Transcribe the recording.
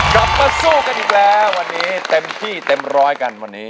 กลับมาสู้กันอีกแล้ววันนี้เต็มที่เต็มร้อยกันวันนี้